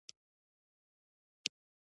پر مخامخ ووم، له ځان سره مې وویل: باید له دې.